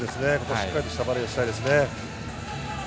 しっかりとしたバレーをしたいですね。